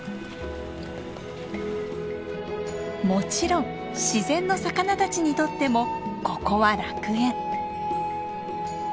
もちろん自然の魚たちにとってもここは楽園。